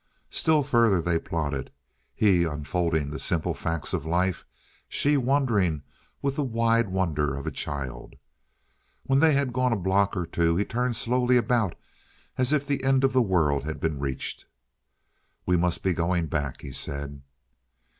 Still further they plodded, he unfolding the simple facts of life, she wondering with the wide wonder of a child. When they had gone a block or two he turned slowly about as if the end of the world had been reached. "We must be going back!" he said.